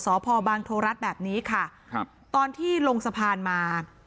สพบางโทรรัฐแบบนี้ค่ะครับตอนที่ลงสะพานมา